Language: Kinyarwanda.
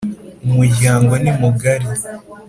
umuryango ni mugari